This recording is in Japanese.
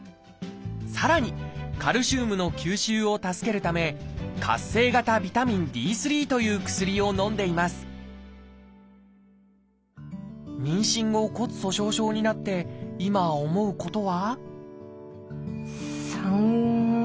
さらにカルシウムの吸収を助けるため活性型ビタミンＤという薬をのんでいます妊娠後骨粗しょう症になって今思うことは？